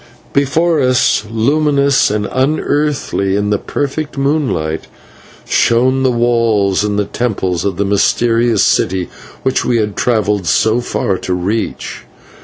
Before us, luminous and unearthly in the perfect moonlight, shone the walls and temples of the mysterious city which we had travelled so far to reach.